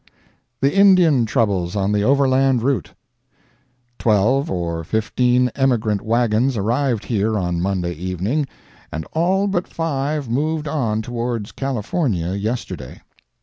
THE INDIAN TROUBLES ON THE OVERLAND ROUTE.—Twelve or fifteen emigrant wagons arrived here on Monday evening, and all but five moved on towards California yesterday.